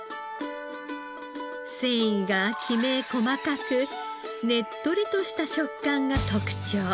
繊維がきめ細かくねっとりとした食感が特徴。